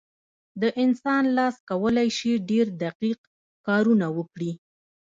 د انسان لاس کولی شي ډېر دقیق کارونه وکړي.